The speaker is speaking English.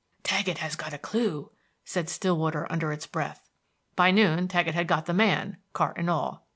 "Taggett has got a clew," said Stillwater under its breath. By noon Taggett had got the man, cart and all.